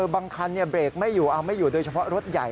บางคันเบรกไม่อยู่เอาไม่อยู่โดยเฉพาะรถใหญ่